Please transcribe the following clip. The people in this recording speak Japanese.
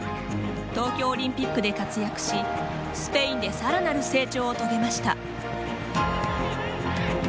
東京オリンピックで活躍しスペインでさらなる成長を遂げました。